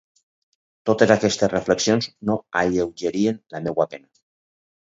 Totes aquestes reflexions no alleugerien la meua pena.